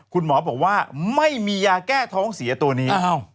คุณหมอบอกว่าไม่มียาแก้ท้องเสียตัวนี้